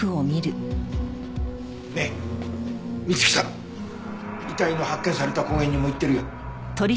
ねえ美月さん遺体の発見された公園にも行ってるよ。